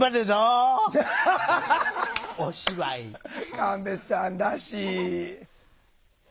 神戸ちゃんらしい。